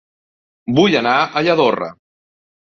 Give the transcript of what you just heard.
Vull anar a Lladorre